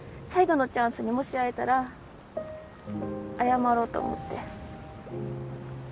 最後のチャンスにもし会えたら謝ろうと思って。